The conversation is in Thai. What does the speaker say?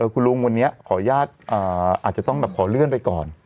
คุณลุงวันนี้ขออนุญาตอาจจะต้องขอเลื่อนไปก่อน